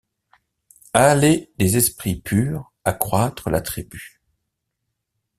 Allez des esprits purs accroître la tribu.